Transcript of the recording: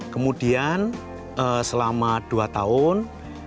kemudian selama dua tahun